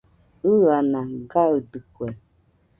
ɨana gaɨdɨkue